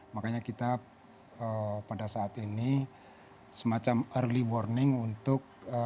makanya kita pada saat ini semacam early warning untuk